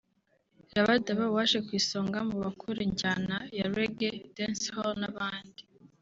Rabadaba waje ku isonga mu bakora injyana ya Ragga/Dancehall n'abandi